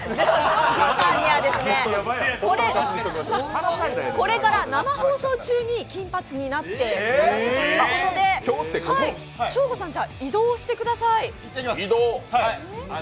ショーゴさんにはこれから生放送中に金髪になっていただくということでショーゴさん、移動をしてください。